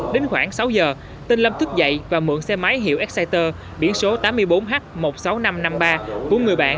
đến khoảng sáu giờ tinh lâm thức dậy và mượn xe máy hiệu exciter biển số tám mươi bốn h một mươi sáu nghìn năm trăm năm mươi ba của người bạn